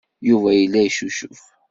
Yuba yella yeccucuf.